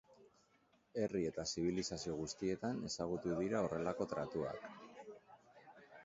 Herri eta zibilizazio guztietan ezagutu dira horrelako tratuak.